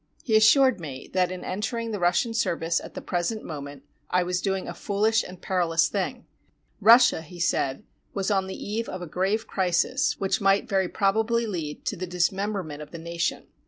He assured me that in entering the Russian service at the present moment I was doing a fooUsh and perilous thing. Russia, he said, was on the eve of a grave crisis, which might very prob ably lead to the dismemberment of the nation.